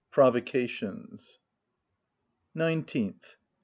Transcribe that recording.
PROVOCATIONS. Nineteenth.